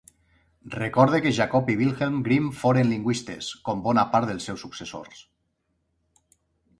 Recorde que Jacob i Wilhelm Grimm foren lingüistes, com bona part dels seus successors.